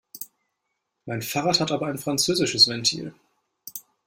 Mein Fahrrad hat aber ein französisches Ventil.